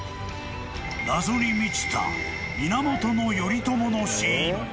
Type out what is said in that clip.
［謎に満ちた源頼朝の死因］